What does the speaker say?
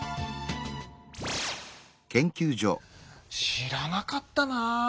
知らなかったな。